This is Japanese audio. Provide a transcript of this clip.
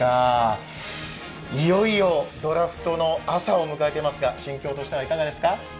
いよいよドラフトの朝を迎えていますが心境としてはいかがですか？